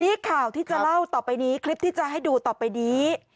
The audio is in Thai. นี่ข่าวที่จะเล่าต่อไปนี้คลิปที่จะให้ดูต่อไปนี้